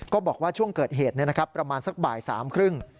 บอกว่าช่วงเกิดเหตุประมาณสักบ่ายสามครึ่ง